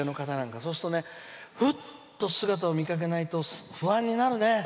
そうすると、ふっと姿を見かけなくなると不安になるね。